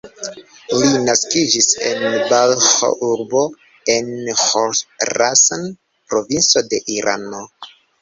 Li naskiĝis en Balĥ-urbo en Ĥorasan-provinco de Irano.